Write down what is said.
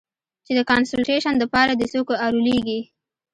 چې د کانسولټېشن د پاره دې څوک ارولېږي.